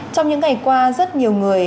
trong những ngày qua rất nhiều người